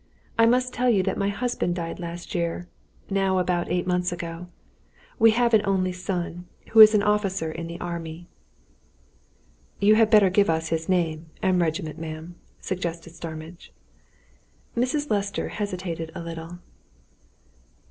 I must tell you that my husband died last year now about eight months ago. We have an only son who is an officer in the Army." "You had better give us his name and regiment, ma'am," suggested Starmidge. Mrs. Lester hesitated a little.